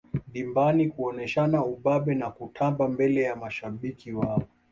dimbani kuoneshana ubabe na kutamba mbele ya mashabiki wao